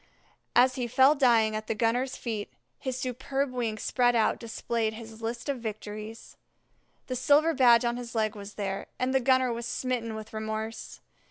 As he fell dying at the gunner's feet, his superb wings spread out displayed his list of victories. The silver badge on his leg was there, and the gunner was smitten with remorse.